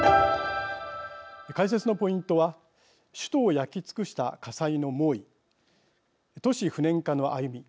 解説のポイントは首都を焼き尽くした火災の猛威都市不燃化の歩み